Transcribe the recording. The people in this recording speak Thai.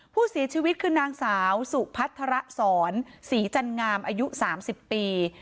ผู้เสียชีวิตคือนางสาวสุพัฒระสอนศรีจันงามอายุ๓๐ปี